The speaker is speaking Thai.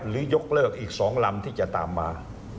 ยกเลิกอีก๒ลำที่จะตามมา